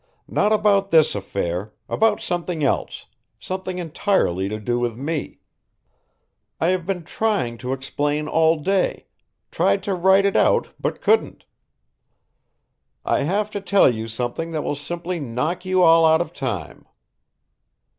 Not about this affair, about something else, something entirely to do with me. I have been trying to explain all day tried to write it out but couldn't. I have to tell you something that will simply knock you all out of time."